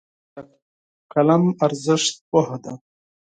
د قلم ارزښت پوهه ده.